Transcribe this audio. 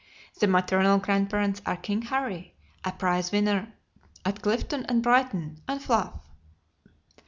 The maternal grandparents are King Harry, a prize winner at Clifton and Brighton, and Fluff.